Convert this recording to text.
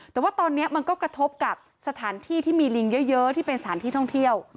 แต่ว่าตอนนี้มันก็กระทบกับสถานที่ที่มีลิงเยอะที่เป็นสถานที่ท่องเที่ยว